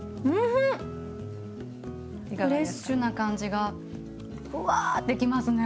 フレッシュな感じがふわってきますね。